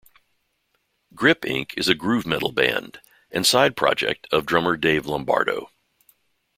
Grip Inc. is a groove metal band and side project of drummer Dave Lombardo.